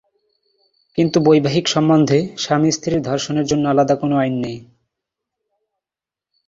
কিন্তু বৈবাহিক সম্বন্ধে, স্বামী -স্ত্রীর ধর্ষণের জন্য আলাদা কোন আইন নেই।